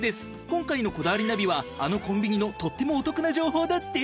今回の『こだわりナビ』はあのコンビニのとってもお得な情報だって。